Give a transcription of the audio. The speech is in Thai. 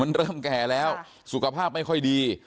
มันเริ่มแก่แล้วสุขภาพไม่ค่อยดี